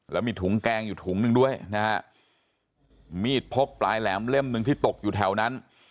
แล้วมีถุงแกงอยู่ถุงหนึ่งด้วยนะฮะมีดพกปลายแหลมเล่มหนึ่งที่ตกอยู่แถวนั้น